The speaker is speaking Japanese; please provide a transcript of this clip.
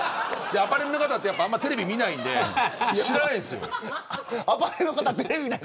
アパレルの方ってあんまりテレビ見ないんで知らないんですよ。